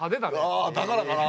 あだからかなあ？